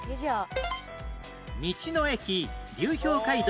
道の駅流氷街道